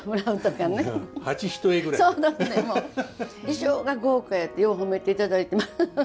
衣装が豪華やてよう褒めていただいてます。